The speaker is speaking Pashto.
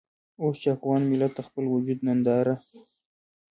اوس چې افغان ملت د خپل وجود ننداره.